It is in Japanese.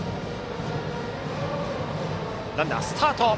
ランナー、スタート。